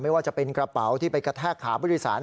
ว่าจะเป็นกระเป๋าที่ไปกระแทกขาผู้โดยสาร